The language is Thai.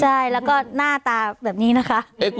ใช่แล้วก็หน้าตาแบบนี้นะคะ